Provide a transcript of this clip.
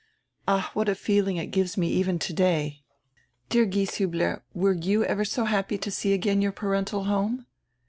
Ah, what a feeling it gives me even today! Dear Gieshiibler, were you ever so happy to see again your parental home?"